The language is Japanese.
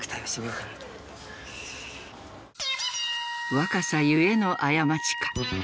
「若さゆえの過ちか」。